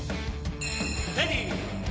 レディー。